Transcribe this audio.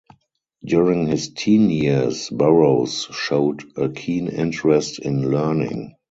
During his teen years Burroughs showed a keen interest in learning.